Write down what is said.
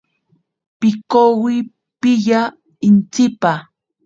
Pikowi piya intsipa.